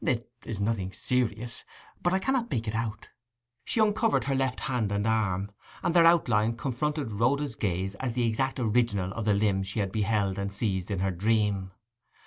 It is nothing serious, but I cannot make it out.' She uncovered her left hand and arm; and their outline confronted Rhoda's gaze as the exact original of the limb she had beheld and seized in her dream.